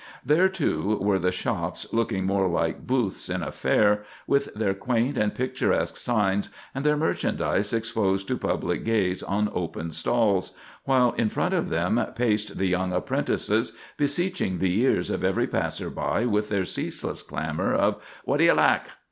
There, too, were the shops, looking more like booths in a fair, with their quaint and picturesque signs, and their merchandise exposed to public gaze on open stalls, while in front of them paced the young apprentices, besieging the ears of every passer by with their ceaseless clamor of "What d'ye lack?"